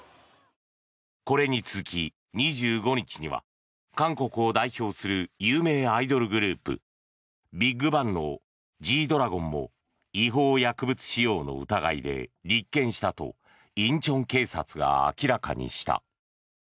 これに続き、２５日には韓国を代表する有名アイドルグループＢＩＧＢＡＮＧのＧ−ＤＲＡＧＯＮも違法薬物使用の疑いで立件したと仁川警察が明らかにした。